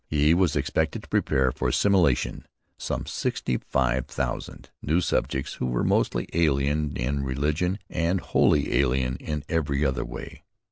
He was expected to prepare for assimilation some sixty five thousand 'new subjects' who were mostly alien in religion and wholly alien in every other way.